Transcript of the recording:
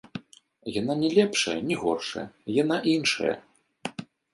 Яна ні лепшая, ні горшая, яна іншая.